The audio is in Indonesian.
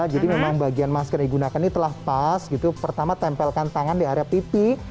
jadi memang bagian masker yang digunakan ini telah pas gitu pertama tempelkan tangan di area pipi